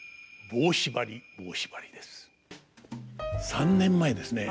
３年前ですね